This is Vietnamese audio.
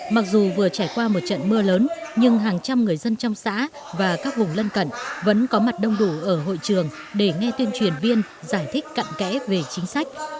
mặc dù vừa trải qua một trận mưa lớn nhưng hàng trăm người dân trong xã và các vùng lân cận vẫn có mặt đông đủ ở hội trường để nghe tuyên truyền viên giải thích cận kẽ về chính sách